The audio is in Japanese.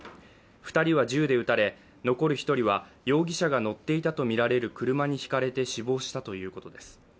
２人は銃で撃たれ、残る１人は容疑者が乗っていたとみられる車にひかれて死亡したということです。